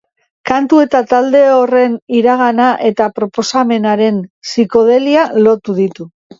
Kantu eta talde horren iragana eta proposamenaren psikodelia lotu ditu.